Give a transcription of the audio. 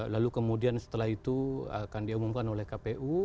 lalu kemudian setelah itu akan diumumkan oleh kpu